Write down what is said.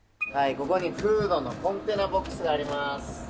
ここにフードのコンテナボックスがあります。